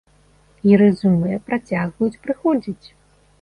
І рэзюмэ працягваюць прыходзіць!